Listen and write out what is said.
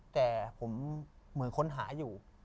แต่ผมมือค้นหาอยู่